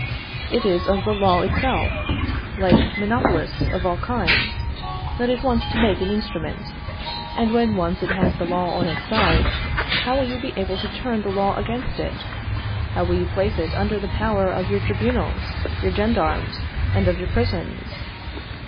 It is of the law itself, like monopolists of all kinds, that it wants to make an instrument; and when once it has the law on its side, how will you be able to turn the law against it? How will you place it under the power of your tribunals, your gendarmes, and of your prisons?